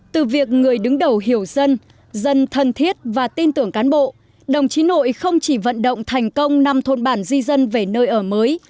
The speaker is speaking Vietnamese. từ việc người đứng đầu hiểu dân dân thân thiết và tin tưởng cán bộ đồng chí nội không chỉ vận động thành công năm thôn bản di dân về nơi ở mới